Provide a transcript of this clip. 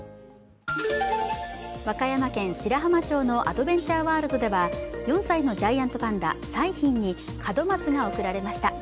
和歌山県白浜町のアドベンチャーワールドでは４歳のジャイアントパンダ、彩浜に門松が贈られました。